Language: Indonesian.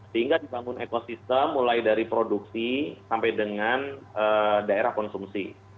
sehingga dibangun ekosistem mulai dari produksi sampai dengan daerah konsumsi